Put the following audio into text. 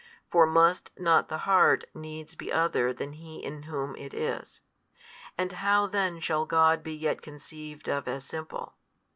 for must not the heart needs be other than he in whom it is? and how then shall God be yet conceived of as Simple?